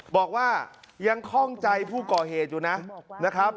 บอกว่ายังคล่องใจผู้ก่อเหตุอยู่นะครับ